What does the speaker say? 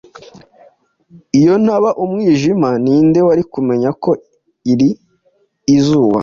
Iyo ntaba umwijima ni nde wari kumenya ko uri izuba?